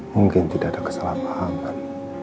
mungkin tidak ada kesalahpahaman